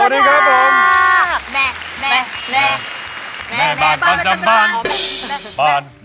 ดีครับ